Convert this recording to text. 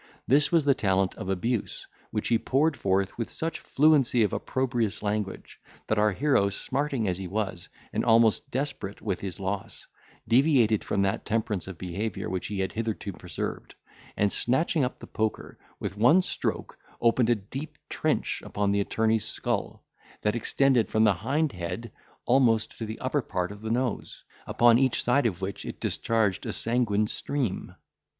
This was the talent of abuse, which he poured forth with such fluency of opprobrious language, that our hero, smarting as he was, and almost desperate with his loss, deviated from that temperance of behaviour which he had hitherto preserved, and snatching up the poker, with one stroke opened a deep trench upon the attorney's skull, that extended from the hind head almost to the upper part of the nose, upon each side of which it discharged a sanguine stream.